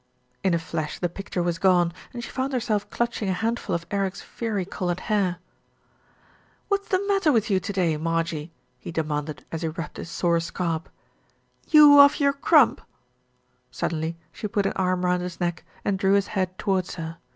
In a flash the picture was gone, and she found her self clutching a handful of Eric's fiery coloured hair. "What's the matter with you to day, Marjie?" he demanded, as he rubbed his sore scalp. "You off your crump?" Suddenly she put an arm round his neck and drew his head towards her.